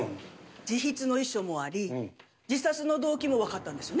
自筆の遺書もあり自殺の動機もわかったんですよね？